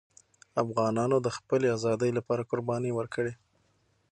افغانانو د خپلې آزادۍ لپاره قربانۍ ورکړې.